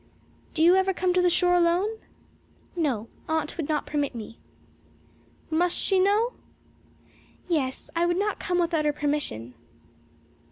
"Do you ever come to the shore alone?" "No. Aunt would not permit me." "Must she know?" "Yes. I would not come without her permission."